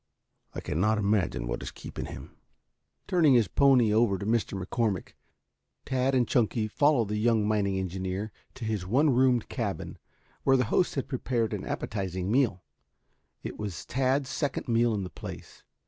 I cannot imagine what is keeping him." Turning his pony over to Mr. McCormick, Tad and Chunky followed the young mining engineer to his one roomed cabin where the host had prepared an appetizing meal. It was Tad's second meal in the place.